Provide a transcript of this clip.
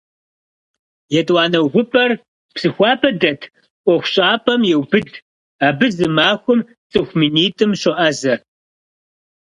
Етӏуанэ увыпӏэр Псыхуабэ дэт ӏуэхущӏапӏэм еубыд - абы зы махуэм цӏыху минитӏым щоӏэзэ.